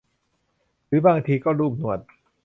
หรือบางทีก็ลูบหนวด